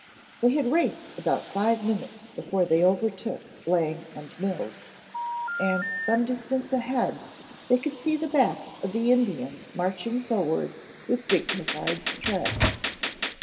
They had raced about five minutes before they overtook Lang and Mills, and some distance ahead they could see the backs of the Indians marching forward with dignified tread.